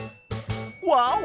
ワオ！